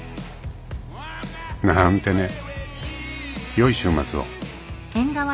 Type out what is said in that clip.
［なーんてね良い週末を］